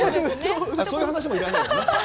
そういう話もいらないのね。